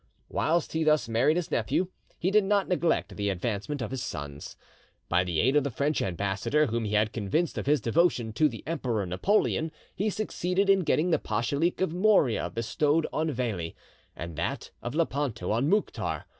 Whilst he thus married his nephew, he did not neglect the advancement of his sons. By the aid of the French Ambassador, whom he had convinced of his devotion to the Emperor Napoleon, he succeeded in getting the pachalik of Morea bestowed on Veli, and that of Lepanto on Mouktar.